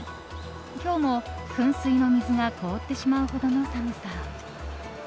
今日も、噴水の水が凍ってしまうほどの寒さ。